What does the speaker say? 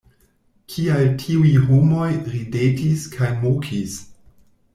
Kial tiuj homoj ridetis kaj mokis?